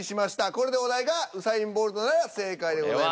これでお題がウサイン・ボルトなら正解でございます。